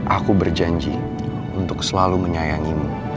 aku berjanji untuk selalu menyayangimu